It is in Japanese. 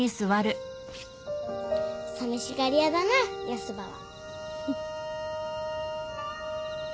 さみしがり屋だなヤスばは。